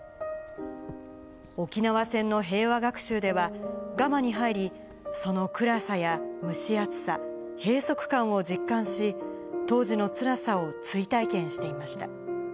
沖縄戦の平和学習では、ガマに入り、その暗さや蒸し暑さ、閉塞感を実感し、当時のつらさを追体験していました。